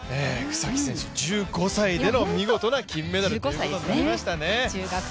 草木選手、１５歳での見事な金メダルでした。